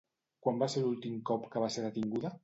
Quan va ser l'últim cop que va ser detinguda?